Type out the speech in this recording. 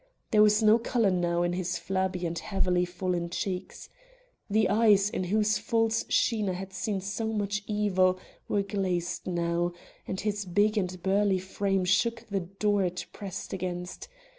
There was no color now in his flabby and heavily fallen cheeks. The eyes, in whose false sheen I had seen so much of evil, were glazed now, and his big and burly frame shook the door it pressed against.